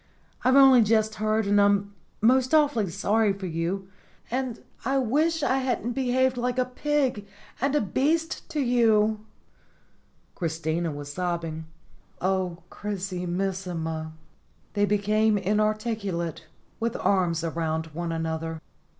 I've only just heard, and I'm most awfully sorry for you. And I wish I hadn't be haved like a pig and a beast to you. O oh, o oh, o oh!" Christina was sobbing. "Oh, Chrisimissima!" They became inarticulate, with their arms round one another.